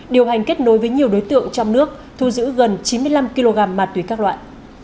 điều hành kết nối với nhiều đối tượng trong nước thu giữ gần chín mươi năm kg ma túy các loại